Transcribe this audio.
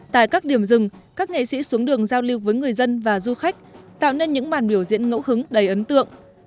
tại các điểm rừng các nghệ sĩ xuống đường giao lưu với người dân và du khách tạo nên những màn biểu diễn ngẫu hứng đầy ấn tượng